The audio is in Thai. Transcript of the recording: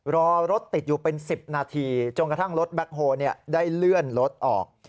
รอรถติดอยู่เป็น๑๐นาทีจนกระทั่งรถแบ็คโฮลได้เลื่อนรถออก